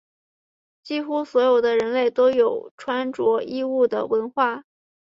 几乎所有的人类都有穿着衣物的文化。